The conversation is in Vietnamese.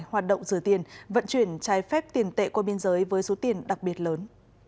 hoạt động rửa tiền vận chuyển trái phép tiền tệ qua biên giới với số tiền đặc biệt lớn